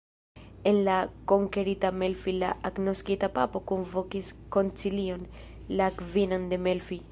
En la konkerita Melfi la agnoskita papo kunvokis koncilion, la kvinan de Melfi.